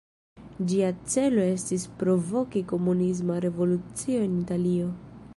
Ĝia celo estis provoki komunisma revolucio en Italio.